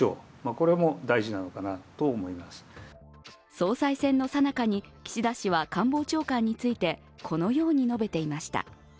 総裁選の最中に、岸田氏は官房長官について、このように述べていました。